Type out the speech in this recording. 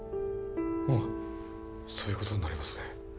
まあそういうことになりますね